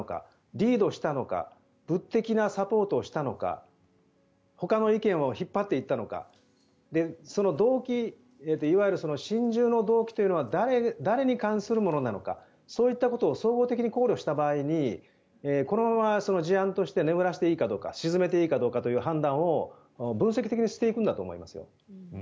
リードしたのか物的なサポートをしたのかほかの意見を引っ張っていったのかその動機いわゆる心中の動機というのは誰に関するものなのかそういったことを総合的に考慮した場合にこのまま事案として眠らせていいのかどうか沈めていいかどうかという判断を分析的にしていくんだと思います。